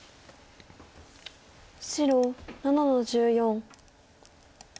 白７の十四。